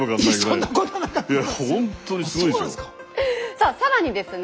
さあ更にですね